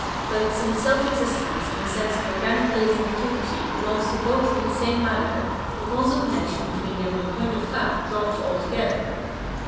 But, since self ex istence in the sense of organic living activity belongs to both in the same manner, the causal connection between them in point of fact drops altogether.